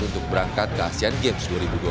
untuk berangkat ke asean games dua ribu dua puluh tiga